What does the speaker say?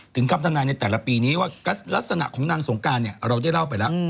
ถึงคำถามในแต่ละปีนี้ว่ารักษณะของนางสงการเราได้เล่าไปแล้ว